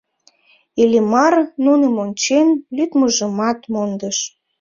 Иллимар, нуным ончен, лӱдмыжымат мондыш.